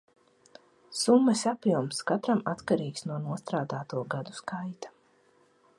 Summas apjoms katram atkarīgs no nostrādāto gadu skaita.